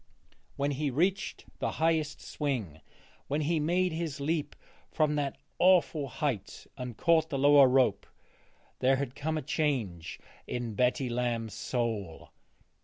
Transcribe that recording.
When he reached the highest swing, when he made his leap from that awful height and caught the lower rope, there had come a change in Betty Lamb's soul.